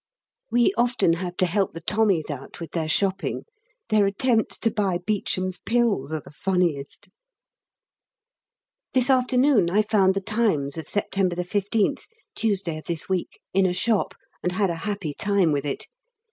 We often have to help the Tommies out with their shopping; their attempts to buy Beecham's Pills are the funniest. This afternoon I found 'The Times' of September 15th (Tuesday of this week) in a shop and had a happy time with it.